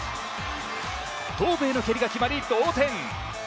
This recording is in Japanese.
頭部への蹴りが決まり同点。